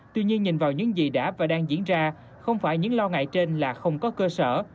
tuy nhiên nhìn vào những gì đã và đang diễn ra không phải những lo ngại trên là không có cơ sở